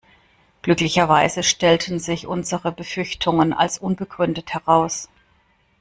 Glücklicherweise stellten sich unsere Befürchtungen als unbegründet heraus.